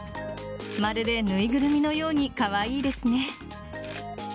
まるでぬいぐるみのようにかわいいですね。